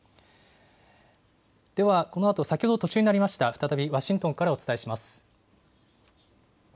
では、このあと先ほど途中になりました、再びワシントンからお伝えします。